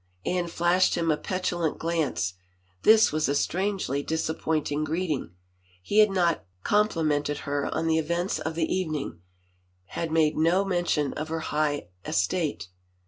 Anne flashed him a petulant glance; this was a strangely disappointing greeting. He had not compli mented her on the events of the evening, had made no mention of her high estate.